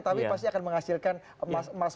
tapi pasti akan menghasilkan emas